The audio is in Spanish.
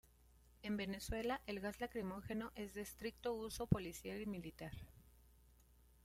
En Venezuela, el gas lacrimógeno es de estricto uso policial y militar.